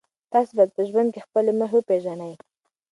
تاسو باید په ژوند کې خپلې موخې وپېژنئ.